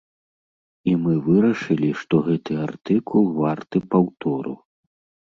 І мы вырашылі, што гэты артыкул варты паўтору.